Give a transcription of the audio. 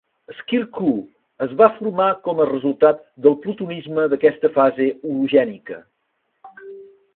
Shir Kuh es va formar com a resultat del plutonisme d'aquesta fase orogènica.